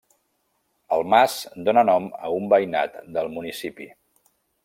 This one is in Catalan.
El mas dóna nom a un veïnat del municipi.